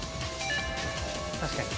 確かに。